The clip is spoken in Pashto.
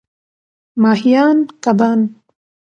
ماهیان √ کبان